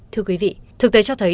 thưa quý vị thực tế cho thấy